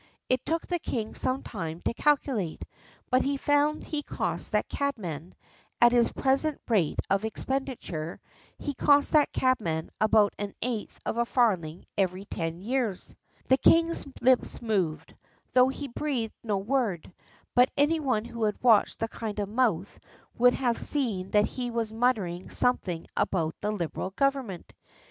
It took the king some time to calculate, but he found he cost that cabman, at his present rate of expenditure he cost that cabman about an eighth of a farthing every ten years. The king's lips moved, though he breathed no word; but any one who had watched the kind mouth would have seen that he was muttering something about that Liberal Government.